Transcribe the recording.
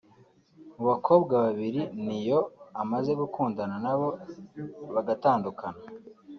Mu bakobwa babiri Ne-Yo amaze gukundana nabo bagatandukana